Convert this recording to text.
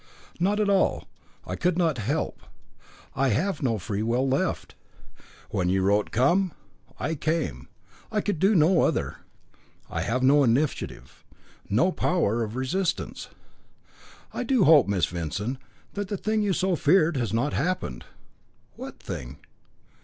"Not at all. I could not help. I have no free will left. When you wrote Come I came, I could do no other. I have no initiative, no power of resistance." "I do hope, Miss Vincent, that the thing you so feared has not happened." "What thing?"